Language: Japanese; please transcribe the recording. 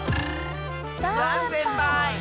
ダンせんぱい！